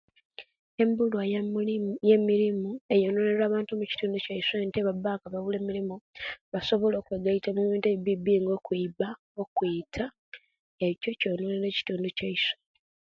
Embuluwa yomulimu yemilimu eyononere abantu mukitundu kyaisu nti eibaba nga babula emirimu basobola okwegaita mubintu ebibibi nga okwiba, okwita ekyo kyononere ekitundu kyaisu